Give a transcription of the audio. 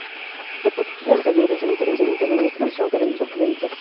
El Ministro de Exteriores debe intervenir para que la expedición quede en libertad.